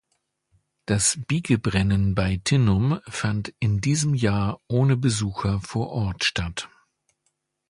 Das Biikebrennen bei Tinnum fand in diesem Jahr ohne Besucher vor Ort statt.